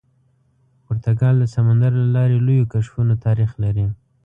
پرتګال د سمندر له لارې لویو کشفونو تاریخ لري.